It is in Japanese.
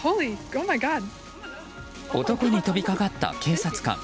男に飛び掛かった警察官。